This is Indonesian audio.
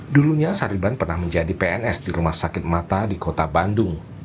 dulunya sariban pernah menjadi pns di rumah sakit mata di kota bandung